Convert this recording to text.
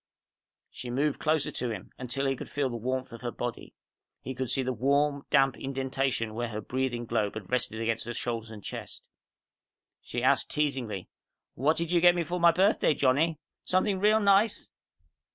She moved closer to him, until he could feel the warmth of her body. He could see the warm, damp indentation where her breathing globe had rested against her shoulders and chest. She asked teasingly, "What did you get me for my birthday, Johnny? Something real nice?"